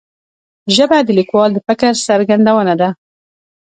ژبه د لیکوال د فکر څرګندونه ده